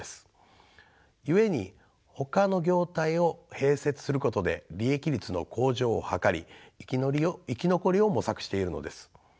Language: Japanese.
故にほかの業態を併設することで利益率の向上を図り生き残りを模索しているのです。